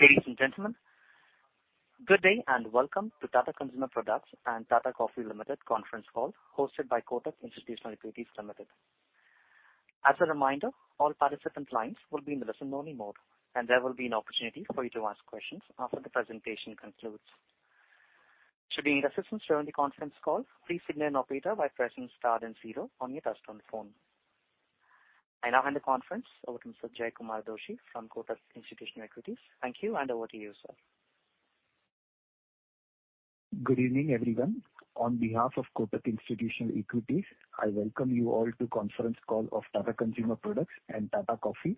Ladies and gentlemen, good day and welcome to Tata Consumer Products and Tata Coffee Limited conference call hosted by Kotak Institutional Equities Limited. As a reminder, all participant lines will be in listen-only mode, and there will be an opportunity for you to ask questions after the presentation concludes. Should you need assistance during the conference call, please signal an operator by pressing star then zero on your touchtone phone. I now hand the conference over to Jaykumar Doshi from Kotak Institutional Equities. Thank you, and over to you, sir. Good evening, everyone. On behalf of Kotak Institutional Equities, I welcome you all to conference call of Tata Consumer Products and Tata Coffee.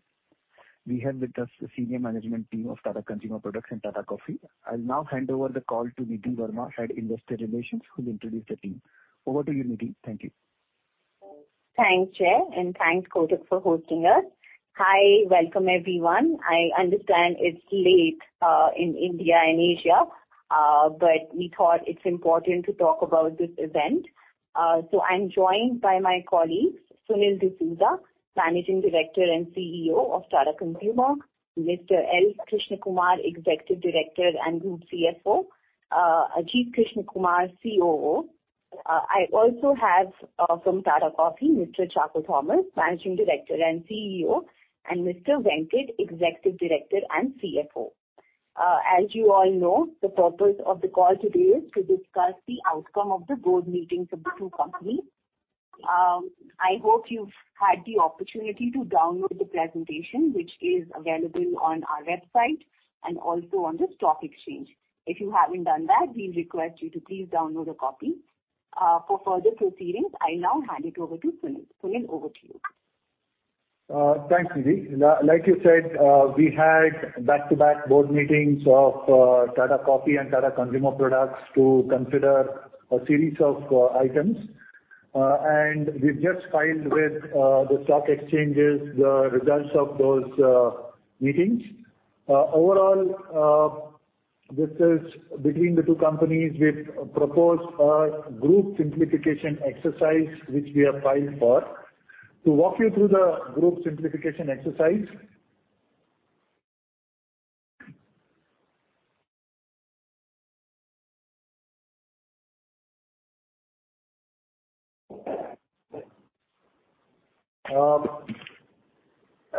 We have with us the senior management team of Tata Consumer Products and Tata Coffee. I'll now hand over the call to Nidhi Verma, Head Investor Relations, who'll introduce the team. Over to you, Nidhi. Thank you. Thanks, Jay, and thanks, Kotak, for hosting us. Hi, welcome, everyone. I understand it's late in India and Asia, but we thought it's important to talk about this event. I'm joined by my colleagues, Sunil D'Souza, Managing Director and CEO of Tata Consumer, Mr. L. Krishnakumar, Executive Director and Group CFO, Ajit Krishnakumar, COO. I also have, from Tata Coffee, Mr. Chacko Thomas, Managing Director and CEO, and Mr. Venkat, Executive Director and CFO. As you all know, the purpose of the call today is to discuss the outcome of the board meetings of the two companies. I hope you've had the opportunity to download the presentation, which is available on our website and also on the stock exchange. If you haven't done that, we request you to please download a copy. For further proceedings, I now hand it over to Sunil. Sunil, over to you. Thanks, Nidhi. Like you said, we had back-to-back board meetings of Tata Coffee and Tata Consumer Products to consider a series of items. We've just filed with the stock exchanges the results of those meetings. Overall, this is between the two companies. We've proposed a group simplification exercise which we have filed for. To walk you through the group simplification exercise.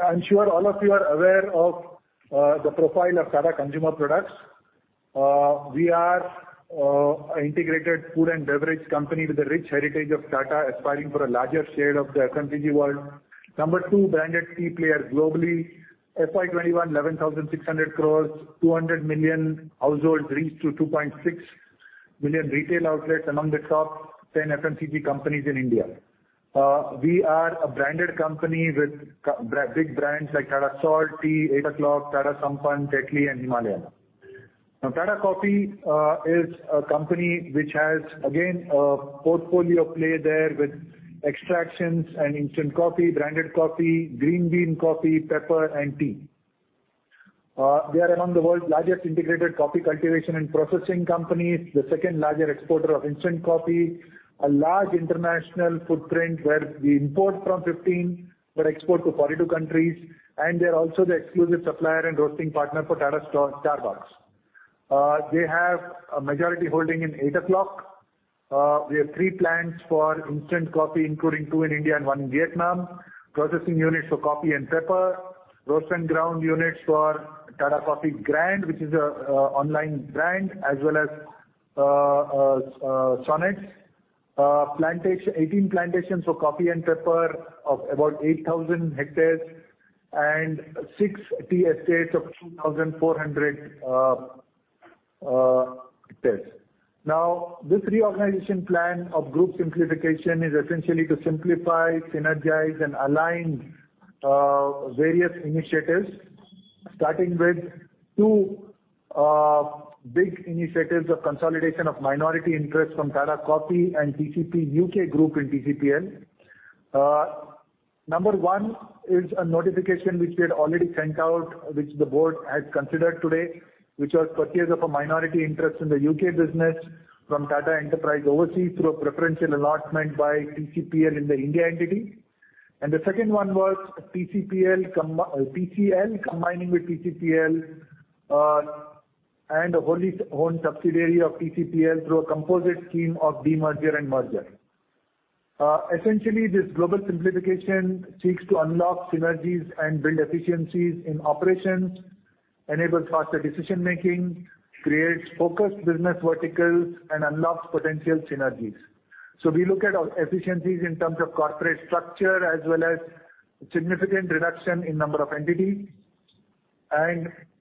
I'm sure all of you are aware of the profile of Tata Consumer Products. We are an integrated food and beverage company with a rich heritage of Tata aspiring for a larger share of the FMCG world. Number two branded tea player globally. FY 2021, 11,600 crores. 200 million households reached through 2.6 million retail outlets. Among the top 10 FMCG companies in India. We are a branded company with big brands like Tata Salt, Tata Tea, Eight O'Clock, Tata Sampann, Tetley and Himalayan. Now, Tata Coffee is a company which has, again, a portfolio play there with extractions and instant coffee, branded coffee, green bean coffee, pepper, and tea. We are among the world's largest integrated coffee cultivation and processing companies, the second-largest exporter of instant coffee. A large international footprint where we import from 15, but export to 42 countries. We are also the exclusive supplier and roasting partner for Tata Starbucks. We have a majority holding in Eight O'Clock. We have three plants for instant coffee, including two in India and one in Vietnam. Processing units for coffee and pepper. Roast and ground units for Tata Coffee Grand, which is an online brand, as well as Sonnets. Plantations, 18 plantations for coffee and pepper of about 8,000 hectares, and six tea estates of 2,400 hectares. Now, this reorganization plan of group simplification is essentially to simplify, synergize, and align various initiatives, starting with two big initiatives of consolidation of minority interest from Tata Coffee and TCP UK Group in TCPL. Number one is a notification which we had already sent out, which the board has considered today, which was purchase of a minority interest in the U.K. business from Tata Enterprise Overseas through a preferential allotment by TCPL in the India entity. The second one was TCL combining with TCPL and a wholly-owned subsidiary of TCPL through a composite scheme of demerger and merger. Essentially this global simplification seeks to unlock synergies and build efficiencies in operations, enable faster decision-making, creates focused business verticals, and unlocks potential synergies. We look at our efficiencies in terms of corporate structure as well as significant reduction in number of entities.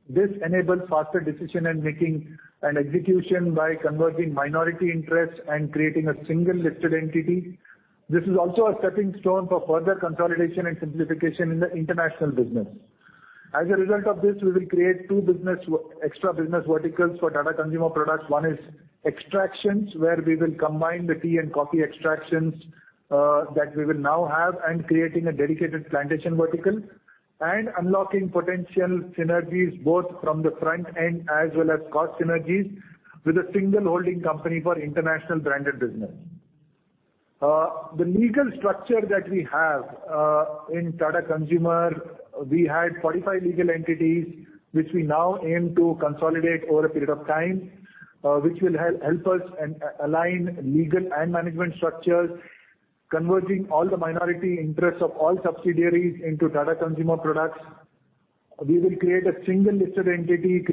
This enables faster decision and making and execution by converting minority interests and creating a single listed entity. This is also a stepping stone for further consolidation and simplification in the international business. As a result of this, we will create two extra business verticals for Tata Consumer Products. One is extractions, where we will combine the tea and coffee extractions, that we will now have and creating a dedicated plantation vertical. Unlocking potential synergies both from the front end as well as cost synergies with a single holding company for international branded business. The legal structure that we have in Tata Consumer, we had 45 legal entities which we now aim to consolidate over a period of time, which will help us align legal and management structures, converting all the minority interests of all subsidiaries into Tata Consumer Products. We will create a single listed entity,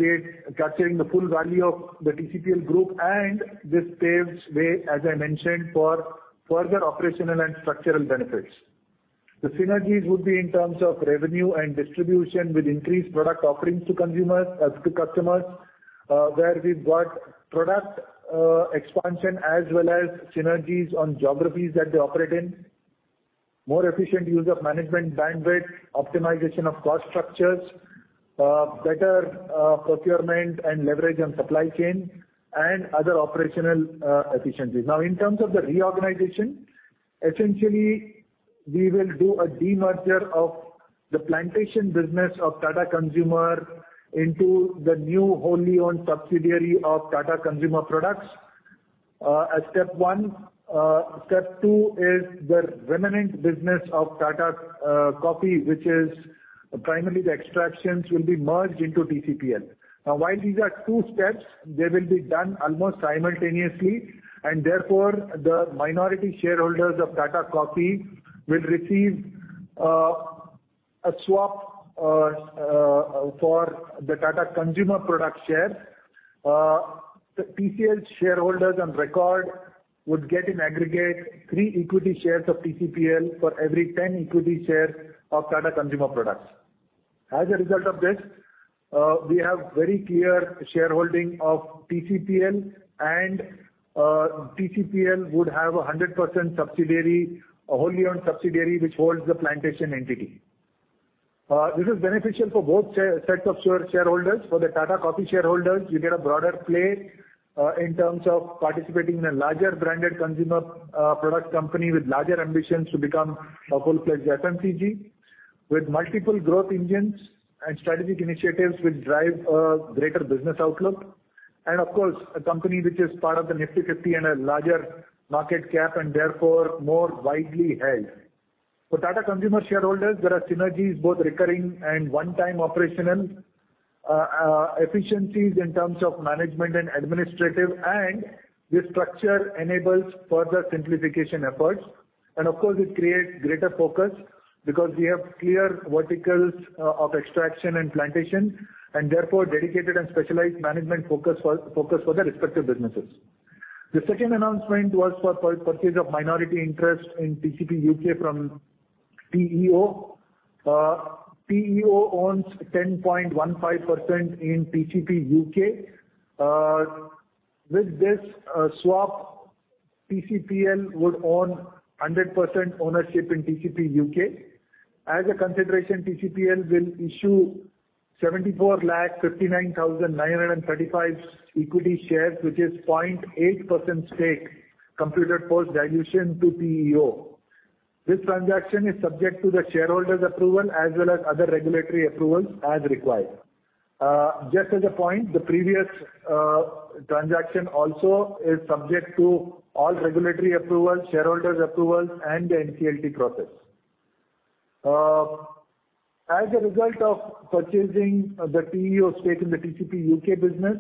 capturing the full value of the TCPL group, and this paves the way, as I mentioned, for further operational and structural benefits. The synergies would be in terms of revenue and distribution with increased product offerings to consumers to customers, where we've got product expansion as well as synergies on geographies that they operate in. More efficient use of management bandwidth, optimization of cost structures, better procurement and leverage on supply chain and other operational efficiencies. In terms of the reorganization, essentially we will do a demerger of the plantation business of Tata Consumer into the new wholly owned subsidiary of Tata Consumer Products, as step one. Step two is the remnant business of Tata Coffee, which is primarily the extractions, will be merged into TCPL. While these are two steps, they will be done almost simultaneously and therefore, the minority shareholders of Tata Coffee will receive a swap for the Tata Consumer Products share. The TCL shareholders on record would get in aggregate three equity shares of TCPL for every 10 equity share of Tata Consumer Products. As a result of this, we have very clear shareholding of TCPL and, TCPL would have a 100% subsidiary, a wholly owned subsidiary which holds the plantation entity. This is beneficial for both sets of shareholders. For the Tata Coffee shareholders, you get a broader play, in terms of participating in a larger branded consumer, products company with larger ambitions to become a full-fledged FMCG with multiple growth engines and strategic initiatives which drive a greater business outlook and of course, a company which is part of the Nifty 50 and a larger market cap and therefore more widely held. For Tata Consumer shareholders, there are synergies both recurring and one-time operational efficiencies in terms of management and administrative and this structure enables further simplification efforts and of course it creates greater focus because we have clear verticals of extraction and plantation and therefore dedicated and specialized management focus for the respective businesses. The second announcement was for purchase of minority interest in TCP UK from TEO. TEO owns 10.15% in TCP UK. With this swap, TCPL would own 100% ownership in TCP UK. As a consideration, TCPL will issue 7,459,935 equity shares, which is 0.8% stake computed post-dilution to TEO. This transaction is subject to the shareholders approval as well as other regulatory approvals as required. Just as a point, the previous transaction also is subject to all regulatory approvals, shareholders approvals and the NCLT process. As a result of purchasing the TEO stake in the TCP UK business,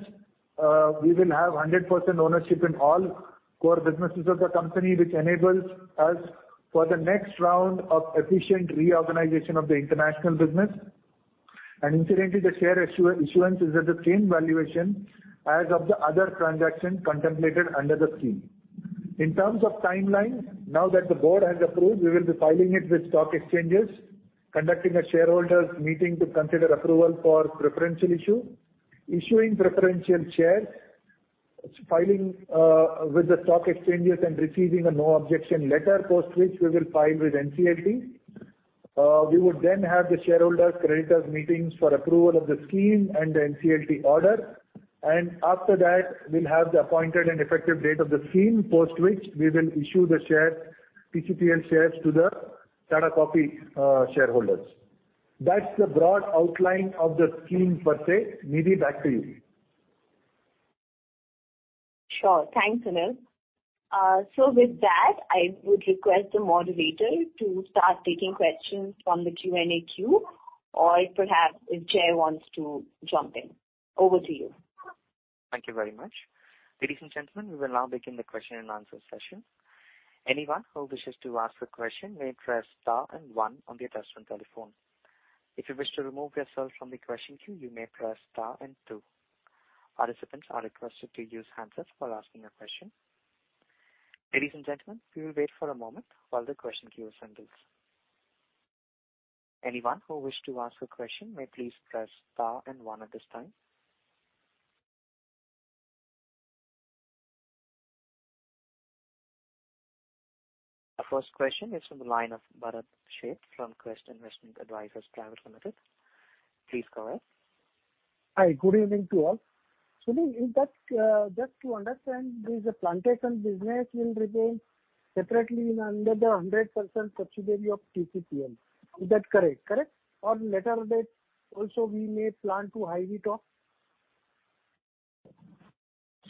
we will have 100% ownership in all core businesses of the company which enables us for the next round of efficient reorganization of the international business. Incidentally, the share issuance is at the same valuation as of the other transaction contemplated under the scheme. In terms of timeline, now that the board has approved, we will be filing it with stock exchanges, conducting a shareholders meeting to consider approval for preferential issue, issuing preferential shares, filing with the stock exchanges and receiving a no-objection letter, post which we will file with NCLT. We would then have the shareholders creditors meetings for approval of the scheme and the NCLT order. After that we'll have the appointed and effective date of the scheme, post which we will issue the shares, TCPL shares to the Tata Coffee shareholders. That's the broad outline of the scheme per se. Nidhi, back to you. Sure. Thanks, Anil. With that, I would request the moderator to start taking questions from the Q&A queue, or perhaps if Jai wants to jump in. Over to you. Thank you very much. Ladies and gentlemen, we will now begin the question and answer session. Anyone who wishes to ask a question may press star and one on their touchtone telephone. If you wish to remove yourself from the question queue, you may press star and two. Participants are requested to use handsets while asking a question. Ladies and gentlemen, we will wait for a moment while the question queue assembles. Anyone who wish to ask a question may please press star and one at this time. Our first question is from the line of Bharat Sheth from Quest Investment Advisors Private Limited. Please go ahead. Hi, good evening to you all. Sunil, is that just to understand, does the plantation business will remain separately under the 100% subsidiary of TCPL? Is that correct? Or later date also we may plan to hive it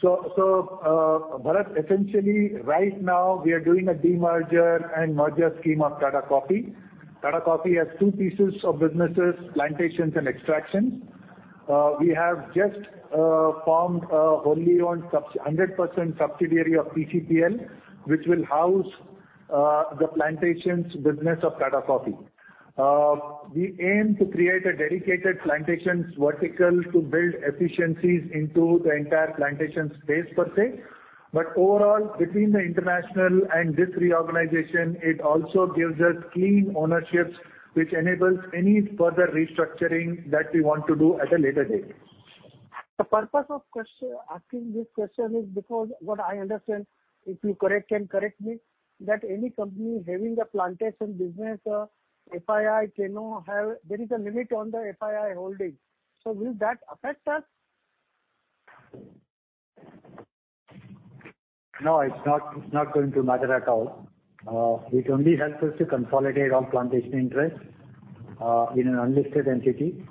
off? Bharat, essentially right now we are doing a de-merger and merger scheme of Tata Coffee. Tata Coffee has two pieces of businesses, plantations and extraction. We have just formed a wholly owned 100% subsidiary of TCPL, which will house the plantations business of Tata Coffee. We aim to create a dedicated plantations vertical to build efficiencies into the entire plantation space per se. But overall, between the international and this reorganization, it also gives us clean ownerships, which enables any further restructuring that we want to do at a later date. The purpose of asking this question is because what I understand, if you correct me, that any company having a plantation business, FII cannot have. There is a limit on the FII holding. Will that affect us? No, it's not going to matter at all. It only helps us to consolidate our plantation interest in an unlisted entity,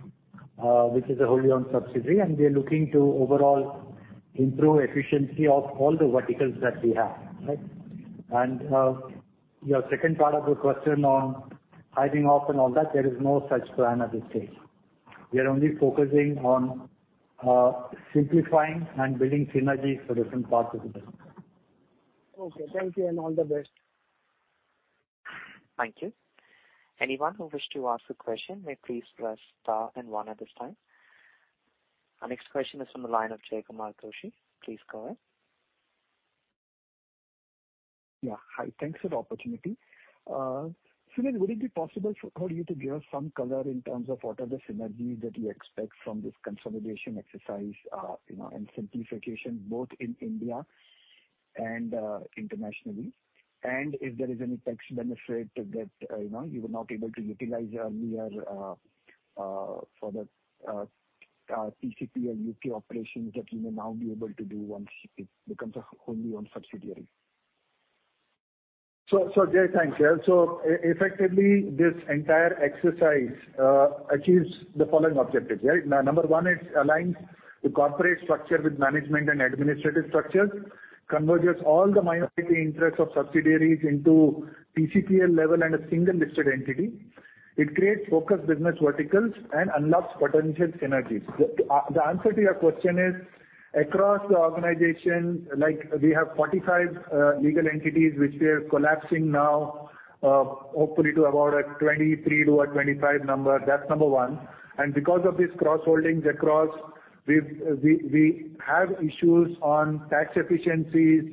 which is a wholly owned subsidiary. We are looking to overall improve efficiency of all the verticals that we have. Right? Your second part of the question on hiving off and all that, there is no such plan at this stage. We are only focusing on simplifying and building synergies for different parts of the business. Okay. Thank you, and all the best. Thank you. Anyone who wish to ask a question may please press star and one at this time. Our next question is from the line of Jaykumar Doshi. Please go ahead. Yeah. Hi. Thanks for the opportunity. Sunil, would it be possible for you to give some color in terms of what are the synergies that you expect from this consolidation exercise, you know, and simplification both in India and internationally? If there is any tax benefit that you know, you were not able to utilize earlier, for the TCPL UK operations that you may now be able to do once it becomes a wholly owned subsidiary. Jay, thanks. Yeah. Effectively, this entire exercise achieves the following objectives, right? Number one, it aligns the corporate structure with management and administrative structures, converges all the minority interests of subsidiaries into TCPL level and a single listed entity. It creates focused business verticals and unlocks potential synergies. The answer to your question is, across the organization, like we have 45 legal entities which we are collapsing now, hopefully to about a 23-25 number. That's number one. Because of these cross-holdings across, we have issues on tax efficiencies,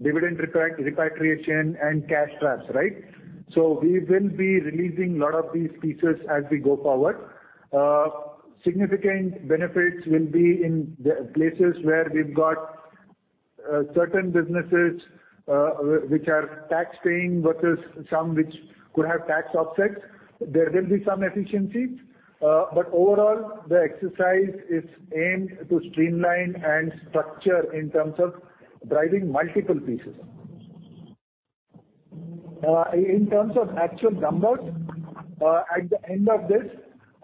dividend repatriation and cash traps, right? We will be releasing a lot of these pieces as we go forward. Significant benefits will be in the places where we've got certain businesses which are tax paying versus some which could have tax offsets. There will be some efficiencies, but overall, the exercise is aimed to streamline and structure in terms of driving multiple pieces. In terms of actual numbers, at the end of this,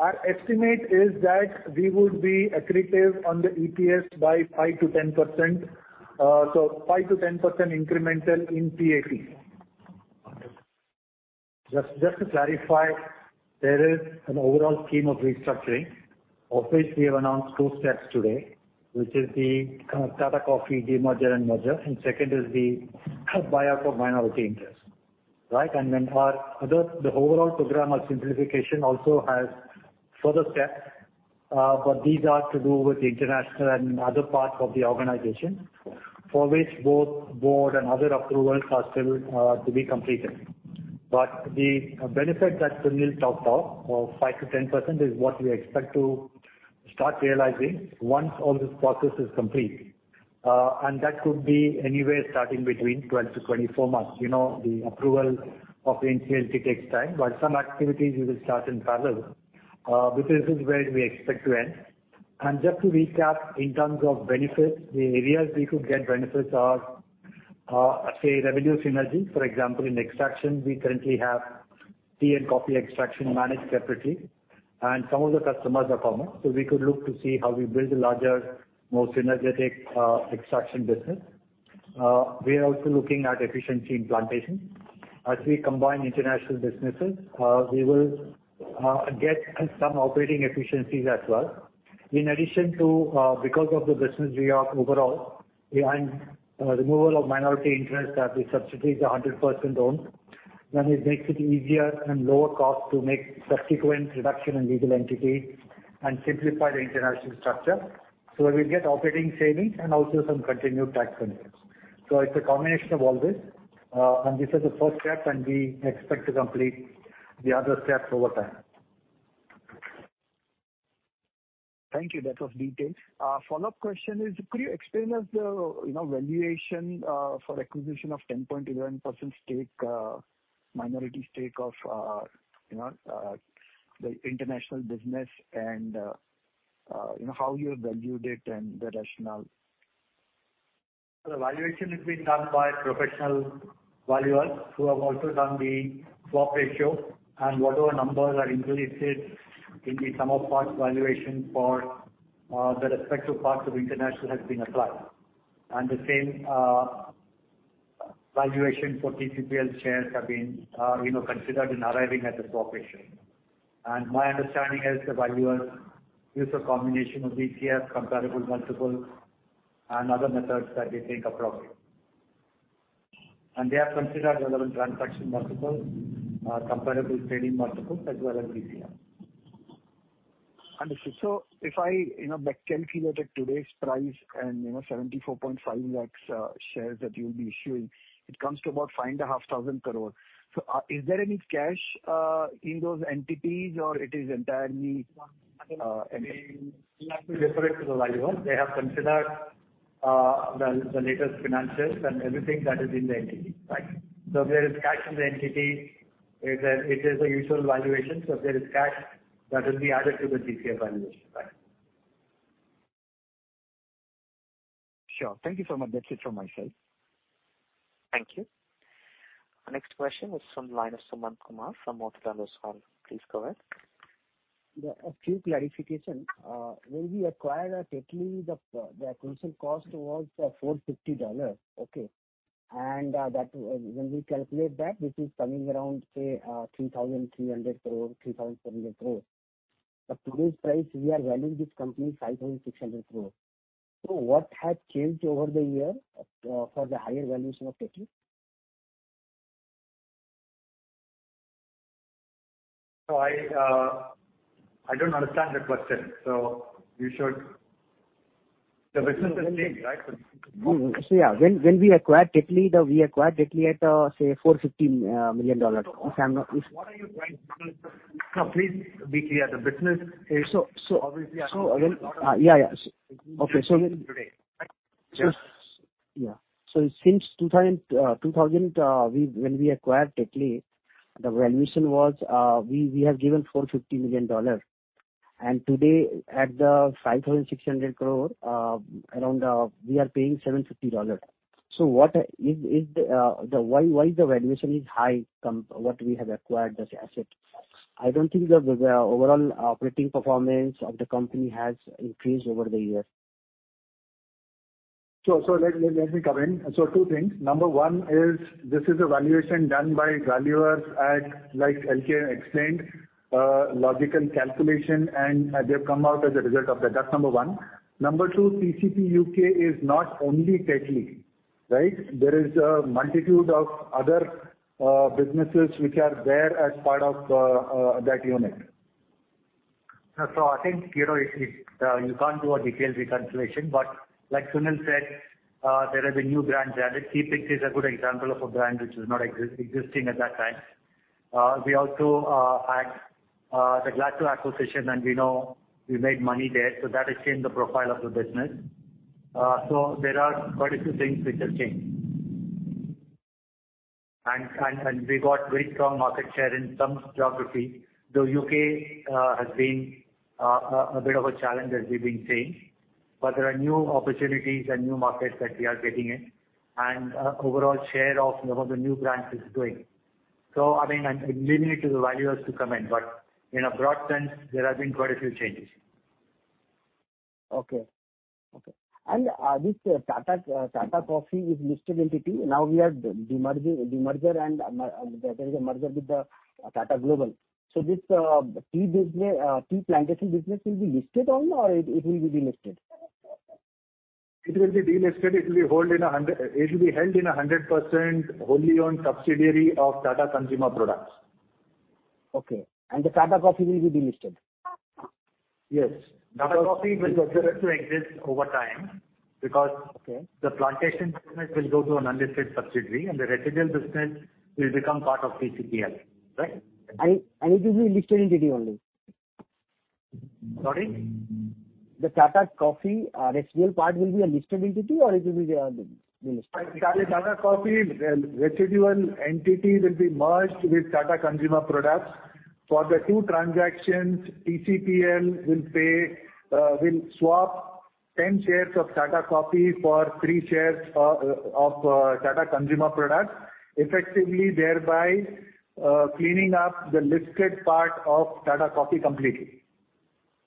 our estimate is that we would be accretive on the EPS by 5%-10%. 5%-10% incremental in PAT. Just to clarify, there is an overall scheme of restructuring, of which we have announced two steps today, which is the kind of Tata Coffee demerger and merger. Second is the buyout of minority interest, right? The overall program of simplification also has further steps, but these are to do with the international and other parts of the organization for which both board and other approvals are still to be completed. The benefit that Sunil talked of 5%-10% is what we expect to start realizing once all this process is complete. That could be anywhere starting between 12 months-24 months. You know, the approval of NCLT takes time, but some activities we will start in parallel, because this is where we expect to end. Just to recap, in terms of benefits, the areas we could get benefits are, say, revenue synergies. For example, in extraction, we currently have tea and coffee extraction managed separately, and some of the customers are common. We could look to see how we build a larger, more synergistic extraction business. We are also looking at efficiency in plantation. As we combine international businesses, we will get some operating efficiencies as well. In addition to, because of the business reorg overall behind removal of minority interest that the subsidiaries are 100% owned, then it makes it easier and lower cost to make subsequent reduction in legal entity and simplify the international structure. We'll get operating savings and also some continued tax benefits. It's a combination of all this, and this is the first step, and we expect to complete the other steps over time. Thank you. That was detailed. Follow-up question is, could you explain us the valuation for acquisition of 10.11% stake, minority stake of the international business and how you have valued it and the rationale? The valuation has been done by professional valuers who have also done the swap ratio and whatever numbers are included in the sum of parts valuation for the respective parts of international has been applied. The same valuation for TCPL shares have been considered in arriving at the swap ratio. My understanding is the valuers use a combination of DCF, comparable multiples and other methods that they think appropriate. They have considered relevant transaction multiples, comparable trading multiples as well as DCF. Understood. If I calculate at today's price and 74.5 lakh shares that you'll be issuing, it comes to about 5,500 crores. Is there any cash in those entities or it is entirely? You have to refer it to the valuers. They have considered the latest financials and everything that is in the entity. Right. If there is cash in the entity, it is a usual valuation. If there is cash, that will be added to the DCF valuation. Right. Sure. Thank you so much. That's it from myself. Thank you. Our next question is from the line of Sumant Kumar from Motilal Oswal. Please go ahead. Yeah, a few clarifications. When we acquired Tetley, the acquisition cost was $450 million. When we calculate that, it is coming around, say, 3,300 crore, 3,700 crore. But today's price we are valuing this company 5,600 crore. What has changed over the years for the higher valuation of Tetley? I don't understand the question. The business has changed, right? Yeah, when we acquired Tetley, we acquired Tetley at, say, $450 million. If I'm not- No, please be clear. The business is- So, so- Obviously. Yeah, yeah. Okay. When- Today. Right? Yes. Yeah. Since 2000, when we acquired Tetley, the valuation was, we have given $450 million. Today at 5,600 crore around, we are paying $750 million. What is why the valuation is high from what we have acquired as asset? I don't think the overall operating performance of the company has increased over the years. Let me comment. Two things. Number one is this is a valuation done by valuers as, like LK explained, a logical calculation, and they've come out as a result of that. That's number one. Number two, TCP UK is not only Tetley, right? There is a multitude of other businesses which are there as part of that unit. I think, you know, it you can't do a detailed reconciliation. Like Sunil said, there have been new brands added. Teapigs is a good example of a brand which was not existing at that time. We also had the [inaudible] acquisition, and we know we made money there. That has changed the profile of the business. There are quite a few things which have changed. We got very strong market share in some geographies, though U.K. has been a bit of a challenge, as we've been saying. There are new opportunities and new markets that we are getting in and overall share of the new brands is growing. I mean, I'm leaving it to the valuers to comment, but in a broad sense, there have been quite a few changes. Okay. This Tata Coffee is a listed entity. Now, there is a demerger and merger with the Tata Global. This tea business, tea plantation business will be listed only or it will be delisted? It will be delisted. It will be held in 100% wholly owned subsidiary of Tata Consumer Products. Okay. The Tata Coffee will be delisted? Yes. Tata Coffee will continue to exist over time because. Okay. The plantation business will go to an unlisted subsidiary and the residual business will become part of TCPL. Right? It will be listed entity only? Sorry? The Tata Coffee residual part will be a listed entity or it will be delisted? Tata Coffee, the residual entity will be merged with Tata Consumer Products. For the two transactions, TCPL will swap 10 shares of Tata Coffee for three shares of Tata Consumer Products, effectively thereby cleaning up the listed part of Tata Coffee completely.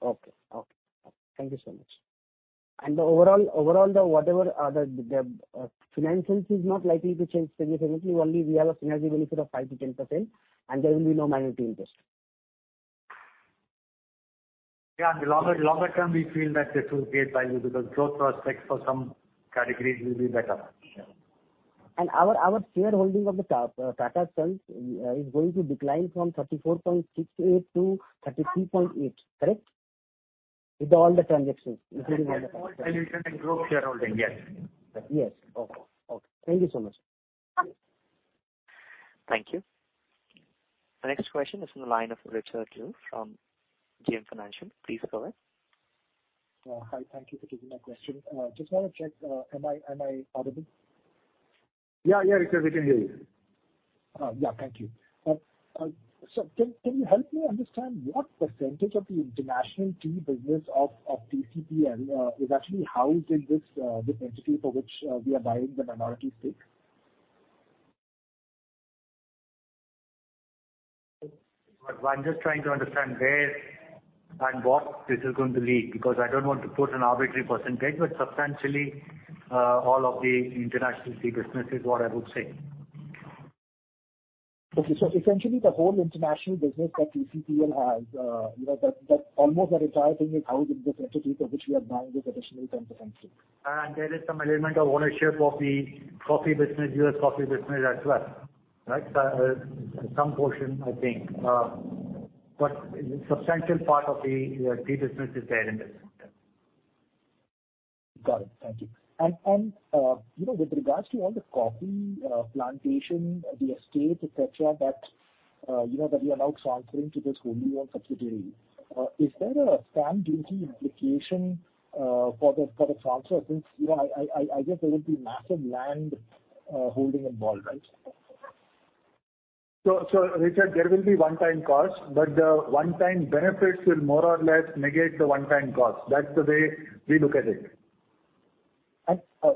Okay. Thank you so much. Overall, the financials is not likely to change significantly, only we have a synergy benefit of 5%-10%, and there will be no minority interest. Yeah, in the longer term, we feel that this will create value because growth prospects for some categories will be better. Yeah. Our shareholding of the Tata Sons is going to decline from 34.68%-32.8%. Correct? With all the transactions, including all the transactions. Yes. Dilution in gross shareholding. Yes. Yes. Okay. Thank you so much. Thank you. The next question is from the line of Richard Liu from JM Financial. Please go ahead. Hi. Thank you for taking my question. Just want to check, am I audible? Yeah, yeah, Richard, we can hear you. Yeah, thank you. Can you help me understand what percentage of the international tea business of TCPL is actually housed in this entity for which we are buying the minority stake? I'm just trying to understand where and what this is going to lead, because I don't want to put an arbitrary percentage, but substantially, all of the international tea business is what I would say. Okay. Essentially the whole international business that TCPL has, you know, that almost the entire thing is housed in this entity for which we are buying this additional 10% stake. There is some element of ownership of the coffee business, U.S. coffee business as well, right? So, some portion I think. But substantial part of the tea business is there in this. Yeah. Got it. Thank you. You know, with regards to all the coffee plantation, the estate, et cetera, that you know, that we are now transferring to this wholly-owned subsidiary, is there a stamp duty implication for the transfer since, you know, I guess there will be massive land holding involved, right? Richard, there will be one-time cost, but the one-time benefits will more or less negate the one-time cost. That's the way we look at it.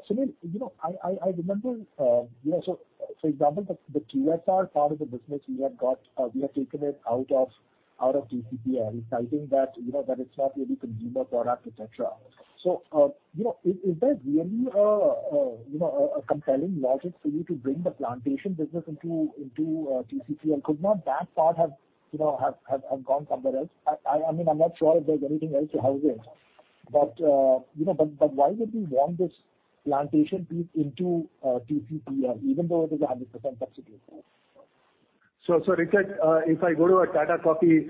Sunil, you know, I remember, you know. For example, the QSR part of the business you have got, you have taken it out of TCPL citing that, you know, that it's not really consumer product, et cetera. You know, is there really a compelling logic for you to bring the plantation business into TCPL? Could not that part have gone somewhere else? I mean, I'm not sure if there's anything else to house it, but why would we want this plantation piece into TCPL even though it is a 100% subsidiary? Richard, if I go to a Tata Coffee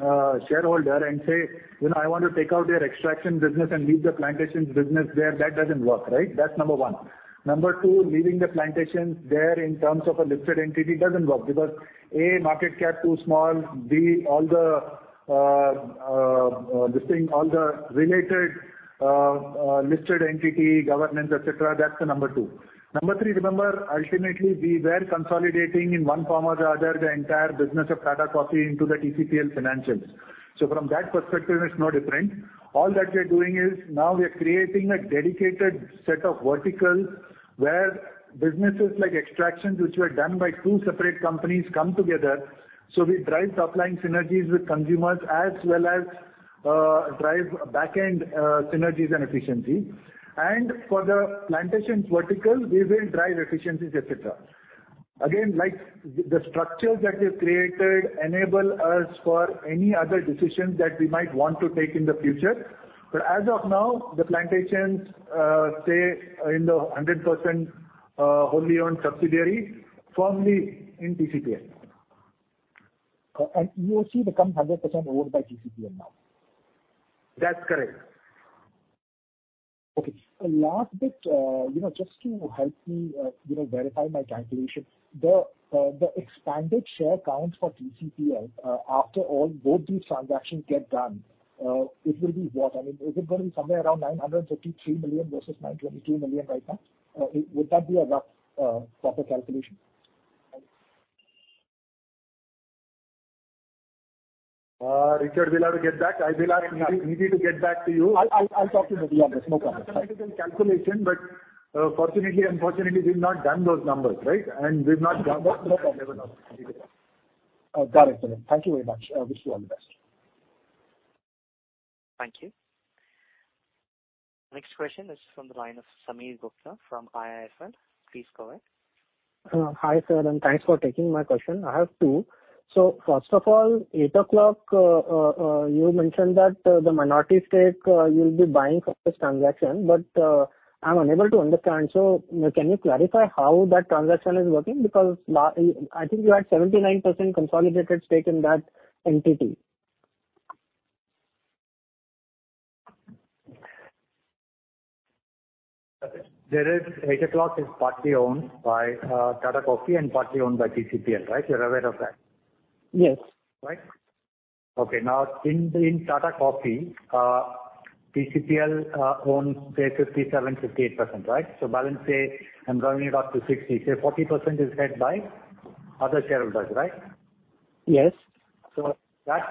shareholder and say, "You know, I want to take out their extraction business and leave the plantations business there," that doesn't work, right? That's number one. Number two, leaving the plantations there in terms of a listed entity doesn't work because, A, market cap too small, B, all the related listed entity governance, et cetera. That's the number two. Number three, remember, ultimately we were consolidating in one form or the other the entire business of Tata Coffee into the TCPL financials. From that perspective it's no different. All that we are doing is now we are creating a dedicated set of verticals where businesses like extractions, which were done by two separate companies, come together, so we drive top-line synergies with consumers as well as drive back-end synergies and efficiency. For the plantations vertical we will drive efficiencies, et cetera. Again, like, the structures that we've created enable us for any other decisions that we might want to take in the future. As of now, the plantations stay in the 100% wholly owned subsidiary firmly in TCPL. EOC becomes 100% owned by TCPL now. That's correct. Okay. Last bit, you know, just to help me, you know, verify my calculation. The expanded share count for TCPL, after both these transactions get done, it will be what? I mean, is it gonna be somewhere around 953 million versus 922 million right now? Would that be a rough, proper calculation? Richard, we'll have to get back. I will ask Nidhi to get back to you. I'll talk to Nidhi on this, no problem. It's a simple calculation, but, fortunately, unfortunately, we've not done those numbers, right? We've not done that. Got it, Sunil. Thank you very much. Wish you all the best. Thank you. Next question is from the line of Sameer Gupta from IIFL. Please go ahead. Hi, sir, and thanks for taking my question. I have two. First of all, Eight O'Clock, you mentioned that the minority stake you'll be buying from this transaction, but I'm unable to understand. Can you clarify how that transaction is working? Because I think you had 79% consolidated stake in that entity. Eight O'Clock is partly owned by Tata Coffee and partly owned by TCPL, right? You're aware of that. Yes. Right? Okay. Now, in Tata Coffee, TCPL owns, say, 57-58%, right? So balance, say, I'm rounding it up to 60. Say 40% is held by other shareholders, right? Yes. That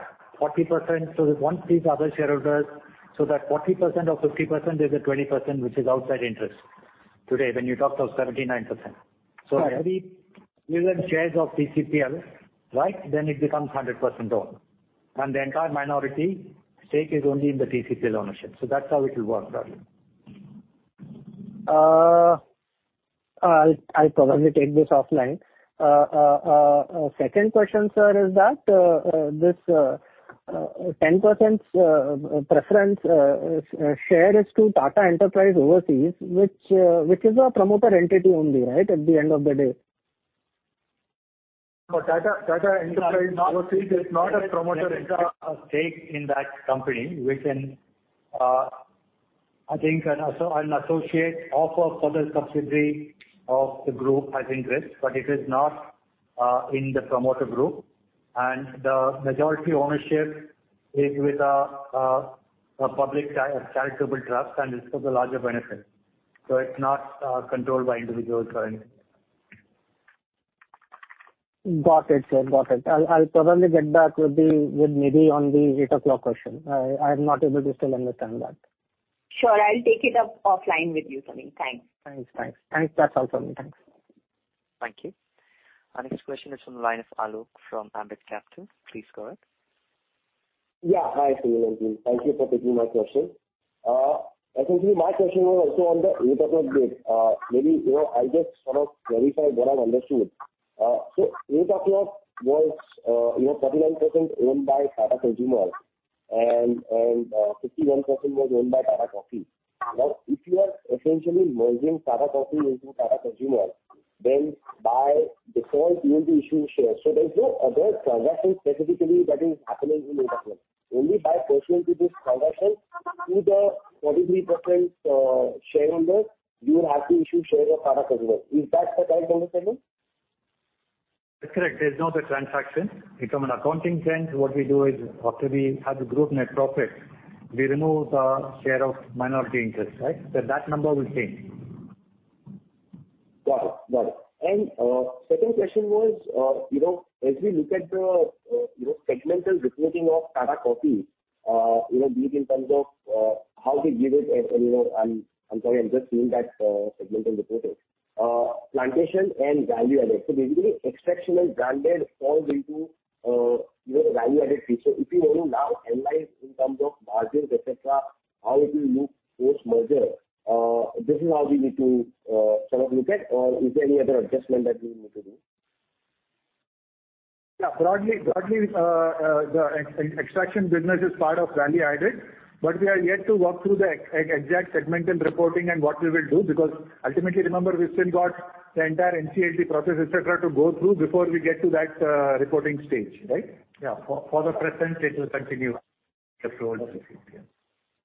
40%. Once these other shareholders, that 40% of 50% is the 20% which is outside interest today when you talked of 79%. Right. When we give them shares of TCPL, right, then it becomes 100% owned. The entire minority stake is only in the TCPL ownership. That's how it will work, probably. I'll probably take this offline. Second question, sir, is that this 10% preference share is to Tata Enterprise Overseas, which is a promoter entity only, right, at the end of the day? No, Tata Enterprise Overseas is not a promoter entity. It's a stake in that company which I think an associate of a further subsidiary of the group has interest, but it is not in the promoter group. The majority ownership is with a public charitable trust, and this is for the larger benefit. It's not controlled by individuals or anything. Got it, sir. I'll probably get back with maybe on the Eight O'Clock question. I'm still not able to understand that. Sure. I'll take it up offline with you, Sunil. Thanks. Thanks. That's all from me. Thanks. Thank you. Our next question is from the line of Alok from Ambit Capital. Please go ahead. Yeah. Hi, Sunil and team. Thank you for taking my question. Essentially, my question was also on the Eight O'Clock bid. Maybe, you know, I'll just sort of verify what I've understood. So Eight O'Clock was, you know, 49% owned by Tata Consumer and 51% was owned by Tata Coffee. Now, if you are essentially merging Tata Coffee into Tata Consumer, then by default you will be issuing shares. So there is no other transaction specifically that is happening in Eight O'Clock. Only pursuant to this transaction, to the 43% shareholders, you will have to issue shares of Tata Consumer. Is that the right understanding? That's correct. There's no other transaction. From an accounting sense, what we do is after we have the group net profit, we remove the share of minority interest, right? That number will change. Got it. Second question was, you know, as we look at the, you know, segmental reporting of Tata Coffee, you know, be it in terms of, how they give it, you know. I'm sorry, just seeing that, segmental reporting. Plantation and value-added. So there's been an exceptional branded fall into, you know, value-added feature. If we want to now analyze in terms of margins, et cetera, how it will look post-merger, this is how we need to, sort of look at, or is there any other adjustment that we need to do? Yeah. Broadly, the extraction business is part of value-added, but we are yet to work through the exact segmental reporting and what we will do, because ultimately, remember, we've still got the entire NCLT process, et cetera, to go through before we get to that, reporting stage, right? Yeah. For the present, it will continue the flow.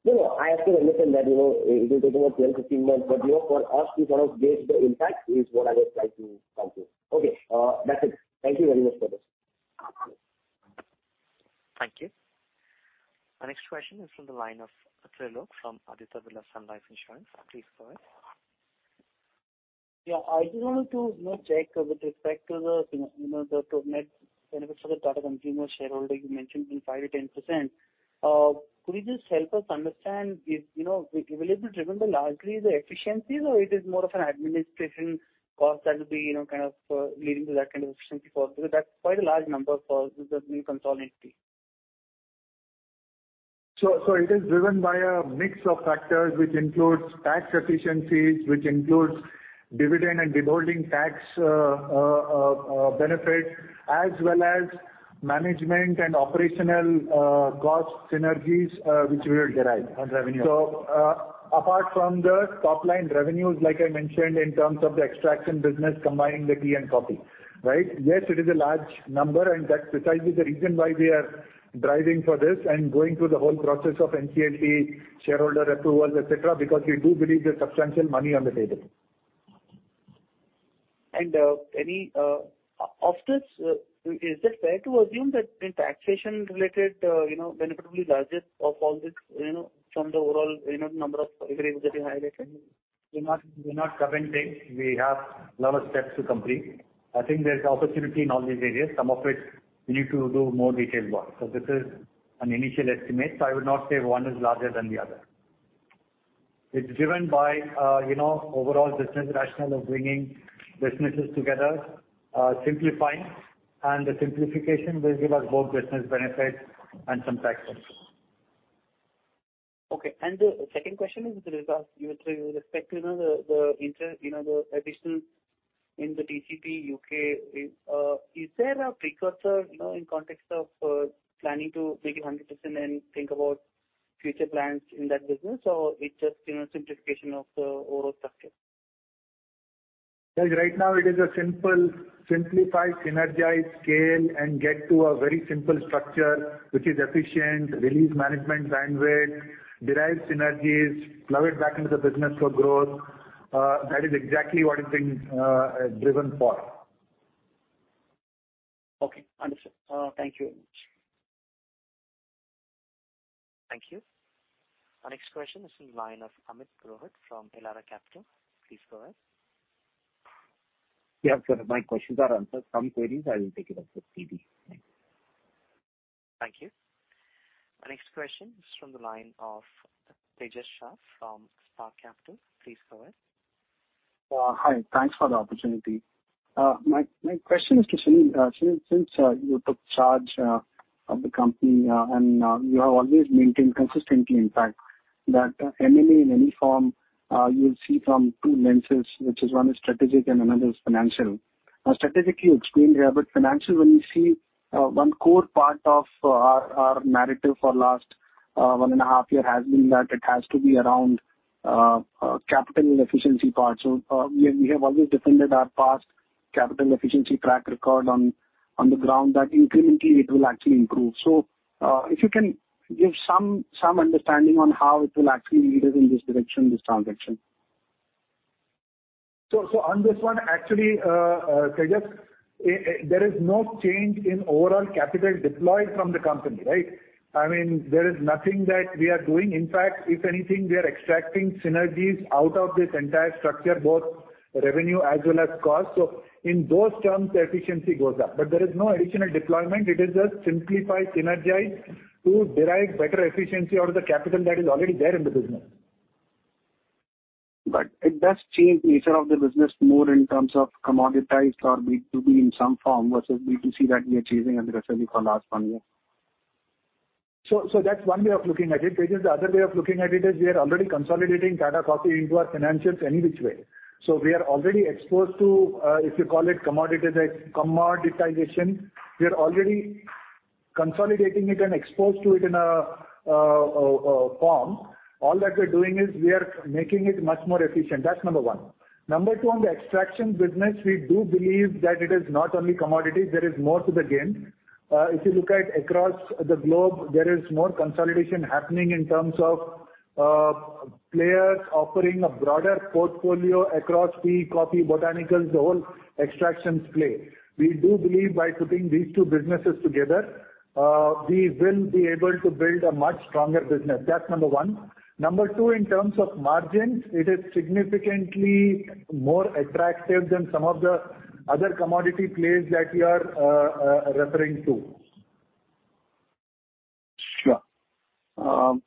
No, no. I actually understand that, you know, it will take another 12 months-15 months, but, you know, for us to sort of gauge the impact is what I was trying to come to. Okay. That's it. Thank you very much for this. Thank you. Our next question is from the line of Atri from Aditya Birla Sun Life Insurance. Please go ahead. Yeah. I just wanted to, you know, check with respect to the net benefit for the Tata Consumer shareholder you mentioned being 5%-10%. Could you just help us understand if, you know, it will be driven largely the efficiencies or it is more of an administration cost that will be, you know, kind of, leading to that kind of efficiency. Because that's quite a large number for this has been consolidated. It is driven by a mix of factors, which includes tax efficiencies, dividend and withholding tax benefit, as well as management and operational cost synergies, which we will derive. On revenue. Apart from the top line revenues, like I mentioned in terms of the extraction business combining the tea and coffee, right? Yes, it is a large number, and that's precisely the reason why we are driving for this and going through the whole process of NCLT, shareholder approvals, et cetera, because we do believe there's substantial money on the table. After this, is it fair to assume that in taxation related, you know, benefit will be largest of all this, you know, from the overall, you know, number of areas that you highlighted? We're not commenting. We have a lot of steps to complete. I think there's opportunity in all these areas. Some of which we need to do more detailed work. This is an initial estimate. I would not say one is larger than the other. It's driven by, you know, overall business rationale of bringing businesses together, simplifying, and the simplification will give us both business benefits and some tax benefits. Okay. The second question is with respect to, you know, the interest, you know, the additions in the TCP UK. Is there a precursor, you know, in context of planning to take it 100% and think about future plans in that business? Or it's just, you know, simplification of the overall structure? As of right now, it is simply simplify, synergize, scale, and get to a very simple structure which is efficient, release management bandwidth, derive synergies, plow it back into the business for growth. That is exactly what is being driven for. Okay, understood. Thank you very much. Thank you. Our next question is from the line of Amit [inaudible] from Elara Capital. Please go ahead. Yeah. So my questions are answered. Some queries I will take it up with Nidhi. Thanks. Thank you. Our next question is from the line of Tejas Shah from Spark Capital. Please go ahead. Hi. Thanks for the opportunity. My question is to Sunil. Sunil, since you took charge of the company, you have always maintained consistently, in fact, that M&A in any form, you'll see from two lenses, which is one is strategic and another is financial. Now, strategically you explained here, but financially when you see, one core part of our narrative for last one and a half year has been that it has to be around capital efficiency part. We have always defended our past capital efficiency track record on the ground that incrementally it will actually improve. If you can give some understanding on how it will actually lead us in this direction, this transaction. On this one, actually, Tejas, there is no change in overall capital deployed from the company, right? I mean, there is nothing that we are doing. In fact, if anything, we are extracting synergies out of this entire structure, both revenue as well as cost. In those terms, the efficiency goes up. There is no additional deployment. It is just simplify, synergize to derive better efficiency out of the capital that is already there in the business. It does change nature of the business more in terms of commoditized or B2B in some form versus B2C that we are chasing aggressively for last one year. That's one way of looking at it. Tejas, the other way of looking at it is we are already consolidating Tata Coffee into our financials any which way. We are already exposed to, if you call it commoditized, commoditization. We are already consolidating it and exposed to it in a form. All that we're doing is we are making it much more efficient. That's number one. Number two, on the extraction business, we do believe that it is not only commodities, there is more to the game. If you look across the globe, there is more consolidation happening in terms of players offering a broader portfolio across tea, coffee, botanicals, the whole extractions play. We do believe by putting these two businesses together, we will be able to build a much stronger business. That's number one. Number two, in terms of margins, it is significantly more attractive than some of the other commodity plays that you are referring to. Sure.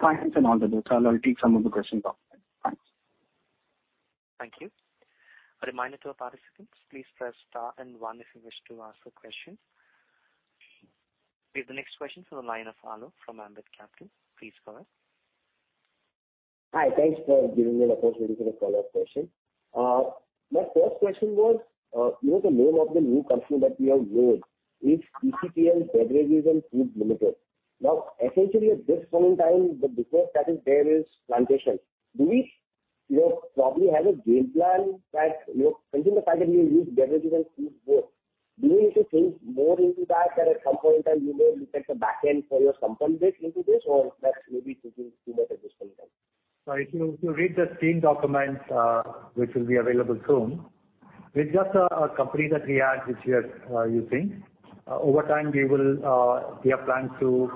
Thanks and all the best. I'll take some of the questions off then. Thanks. Thank you. A reminder to our participants, please press star and one if you wish to ask a question. We have the next question from the line of Alok Shah from Ambit Capital. Please go ahead. Hi. Thanks for giving me the opportunity for the follow-up question. My first question was, you know the name of the new company that we have made is TCPL Beverages & Foods Limited. Now, essentially, at this point in time, the biggest asset there is plantations. Do we, you know, probably have a game plan that, you know, considering the fact that we use beverages and foods both, do we need to think more into that at some point in time, you know, look at the back end for your compound base into this, or that's maybe too much at this point in time? If you read the scheme documents, which will be available soon, it's just a company that we had this year using. Over time, we are planning to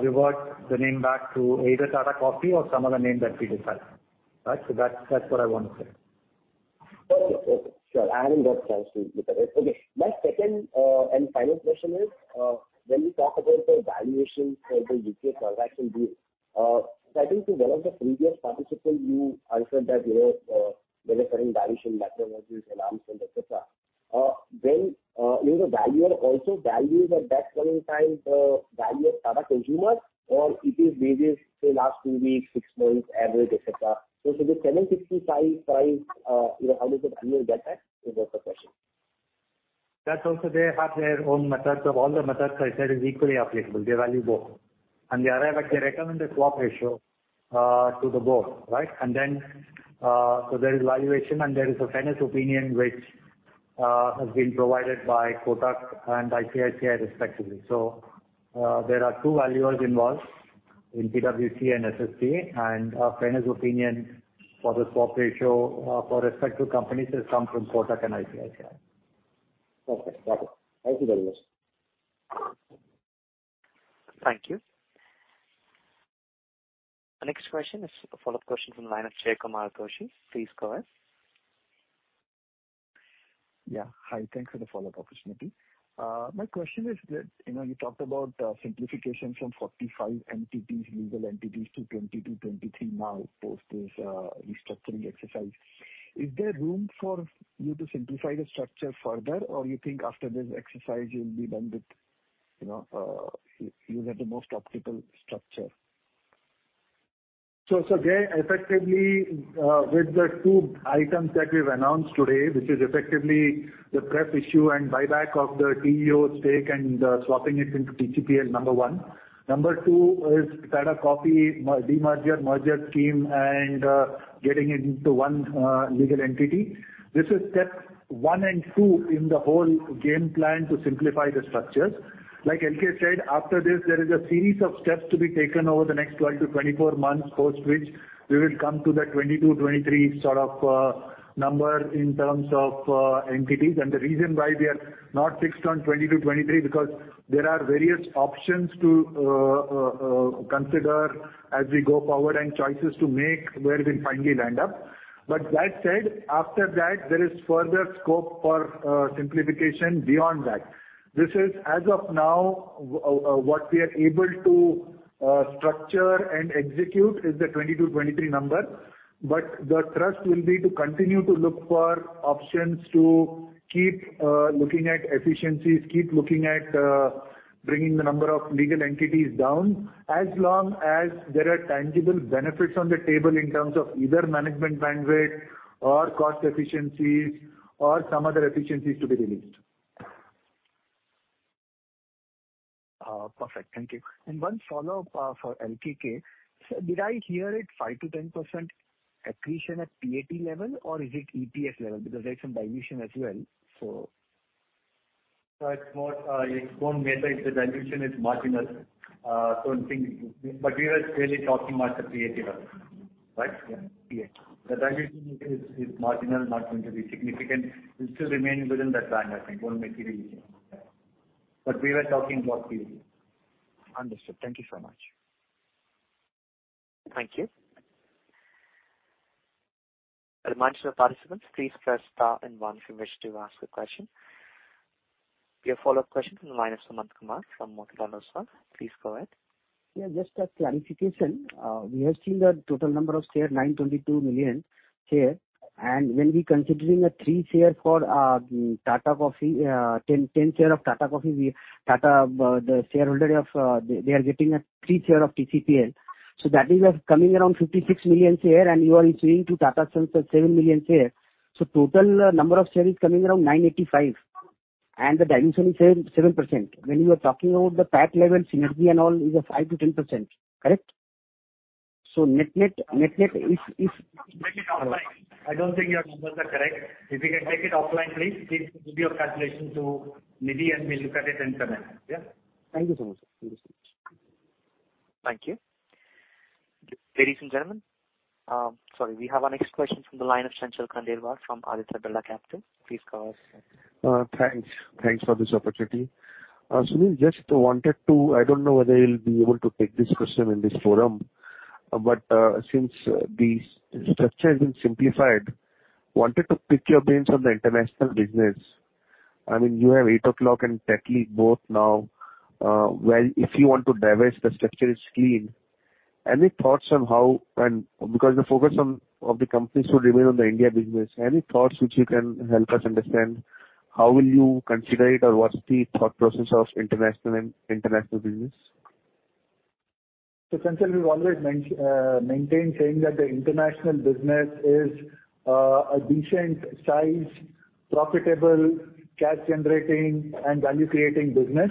revert the name back to either Tata Coffee or some other name that we decide. Right? That's what I want to say. Okay. Sure. I haven't got a chance to look at it. Okay. My second and final question is, when you talk about the valuation for the U.K. transaction deal, I think to one of the previous participants you answered that, you know, they're referring to valuation methodologies, arms and et cetera. Then, you know, the valuer also values at that point in time the value of Tata Consumer's, or it is based, say, last two weeks, six months average, et cetera. For the 755 price, you know, how does the valuer get that? Is what the question. That's also they have their own methods. Of all the methods I said is equally applicable. They value both. They arrive at. They recommend the swap ratio to the board, right? There is valuation and there is a fairness opinion which has been provided by Kotak and ICICI respectively. There are two valuers involved in PwC and SSPA, and a fairness opinion for the swap ratio for respective companies has come from Kotak and ICICI. Okay. Got it. Thank you very much. Thank you. The next question is a follow-up question from the line of Jaykumar Doshi. Please go ahead. Yeah. Hi. Thanks for the follow-up opportunity. My question is that, you know, you talked about simplification from 45 entities, legal entities to 22, 23 now post this restructuring exercise. Is there room for you to simplify the structure further, or you think after this exercise you'll be done with, you know, you have the most optimal structure? Jay, effectively, with the two items that we've announced today, which is effectively the prep issue and buyback of the TEO stake and swapping it into TCPL, number one. Number two is Tata Coffee merger scheme and getting it into one legal entity. This is step one and two in the whole game plan to simplify the structures. Like LK said, after this, there is a series of steps to be taken over the next 12 months-24 months, post which we will come to the 22-23 sort of number in terms of entities. The reason why we are not fixed on 22-23, because there are various options to consider as we go forward and choices to make where we finally land up. That said, after that, there is further scope for simplification beyond that. This is, as of now, what we are able to structure and execute is the 22-23 number. The thrust will be to continue to look for options to keep looking at efficiencies, bringing the number of legal entities down, as long as there are tangible benefits on the table in terms of either management bandwidth or cost efficiencies or some other efficiencies to be released. Perfect. Thank you. One follow-up for LKK. Sir, did I hear it 5%-10% accretion at PAT level or is it EPS level? Because there's some dilution as well. It's more, it won't matter if the dilution is marginal. I think we are really talking about the creative, right? Yeah. Yeah. The dilution is marginal, not going to be significant. It'll still remain within that band, I think. Won't make any difference. We were talking about creative. Understood. Thank you so much. Thank you. A reminder to participants, please press star and one if you wish to ask a question. We have a follow-up question from the line of Sumant Kumar from Motilal Oswal. Please go ahead. Yeah, just a clarification. We have seen the total number of shares, 922 million shares, and when we're considering the three shares for Tata Coffee, ten shares of Tata Coffee, the shareholders of Tata Coffee are getting a free share of TCPL. So that is coming around 56 million shares and you are issuing to Tata Sons 7 million shares. So total number of shares is coming around 985, and the dilution is 7%. When you are talking about the PAT level synergy and all is a 5%-10%. Correct? So net-net is- Take it offline. I don't think your numbers are correct. If you can take it offline, please give your calculation to Nidhi, and we'll look at it and comment. Yeah? Thank you so much, sir. Thank you. Ladies and gentlemen. We have our next question from the line of Chanchal Khandelwal from Aditya Birla Capital. Please go ahead, sir. Thanks for this opportunity. Sunil, just wanted to. I don't know whether you'll be able to take this question in this forum, but, since the structure has been simplified, wanted to pick your brains on the international business. I mean, you have Eight O'Clock and Tetley both now. Well, if you want to divest, the structure is clean. Any thoughts on how and. Because the focus on, of the company should remain on the India business. Any thoughts which you can help us understand how will you consider it, or what's the thought process of international business? Chanchal, we've always maintained saying that the international business is a decent size, profitable, cash generating and value creating business.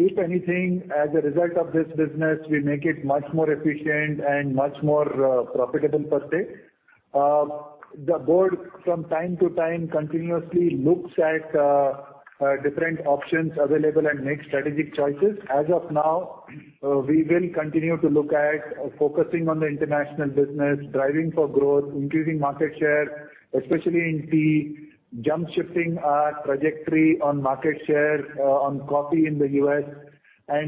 If anything, as a result of this business, we make it much more efficient and much more profitable per se. The board from time to time continuously looks at different options available and makes strategic choices. As of now, we will continue to look at focusing on the international business, driving for growth, increasing market share, especially in tea, jump-shifting our trajectory on market share on coffee in the U.S.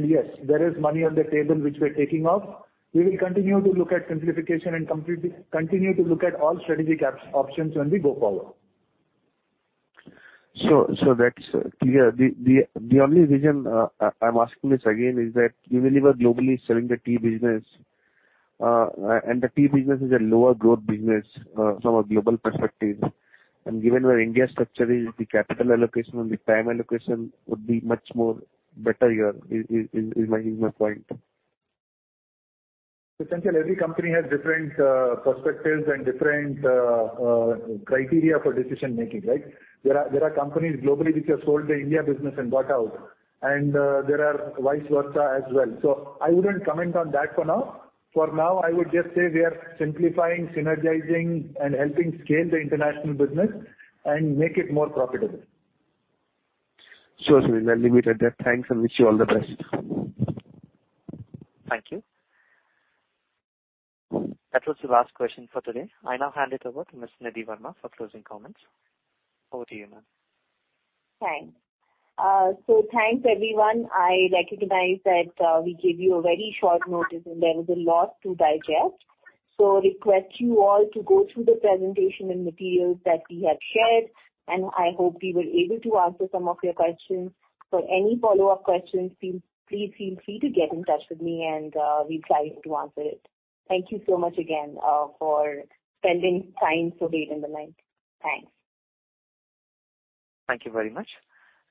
Yes, there is money on the table which we are taking off. We will continue to look at simplification and continue to look at all strategic options when we go forward. That's clear. The only reason I'm asking this again is that even if you are globally selling the tea business, and the tea business is a lower growth business, from a global perspective, and given your India structure is the capital allocation and the time allocation would be much more better here is my point. Chanchal, every company has different perspectives and different criteria for decision making, right? There are companies globally which have sold the India business and bought out, and there are vice versa as well. I wouldn't comment on that for now. For now, I would just say we are simplifying, synergizing and helping scale the international business and make it more profitable. Sure, Sunil. I'll leave it at that. Thanks, and wish you all the best. Thank you. That was the last question for today. I now hand it over to Ms. Nidhi Verma for closing comments. Over to you, ma'am. Thanks. So thanks, everyone. I recognize that we gave you a very short notice, and there was a lot to digest. Request you all to go through the presentation and materials that we have shared, and I hope we were able to answer some of your questions. For any follow-up questions, please feel free to get in touch with me and we'll try to answer it. Thank you so much again for spending time so late in the night. Thanks. Thank you very much.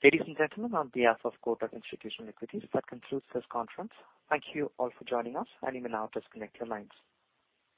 Ladies and gentlemen, on behalf of Kotak Institutional Equities, that concludes this conference. Thank you all for joining us, and you may now disconnect your lines.